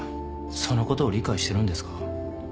そのことを理解してるんですか？